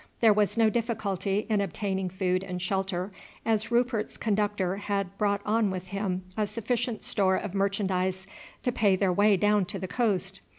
There was no difficulty in obtaining food and shelter, as Rupert's conductor had brought on with him a sufficient store of merchandise to pay their way down to the coast.